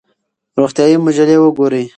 روغتیایي مجلې وګورئ.